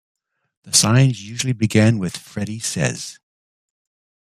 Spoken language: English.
The signs usually began with "Freddy 'sez'".